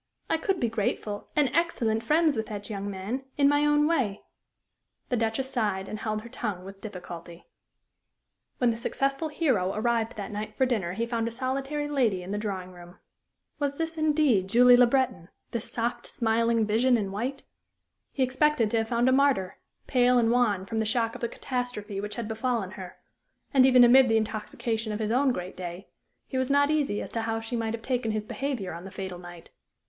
I could be grateful and excellent friends with that young man in my own way." The Duchess sighed, and held her tongue with difficulty. When the successful hero arrived that night for dinner he found a solitary lady in the drawing room. Was this, indeed, Julie Le Breton this soft, smiling vision in white? He expected to have found a martyr, pale and wan from the shock of the catastrophe which had befallen her, and, even amid the intoxication of his own great day, he was not easy as to how she might have taken his behavior on the fatal night.